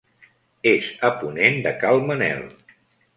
És a ponent de Cal Manel.